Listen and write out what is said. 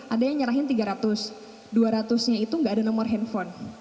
ada yang nyerahin tiga ratus dua ratus nya itu nggak ada nomor handphone